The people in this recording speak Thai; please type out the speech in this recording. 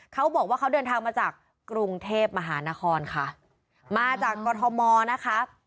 เขาบอกว่าเขาเดินทางมาจากกรุงเทพมหานครค่ะมาจากกรทมนะคะ